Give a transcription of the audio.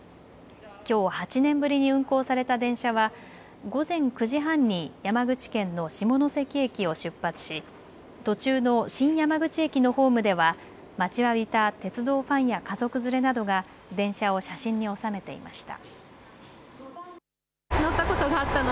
きょう８年ぶりに運行された電車は午前９時半に山口県の下関駅を出発し途中の新山口駅のホームでは待ちわびた鉄道ファンや家族連れなどが電車を写真に収めていました。